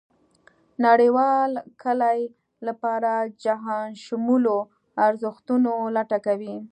نړېوال کلي لپاره جهانشمولو ارزښتونو لټه کوي.